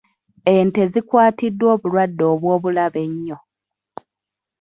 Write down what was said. Ente zikwatiddwa obulwadde obw'obulabe ennyo.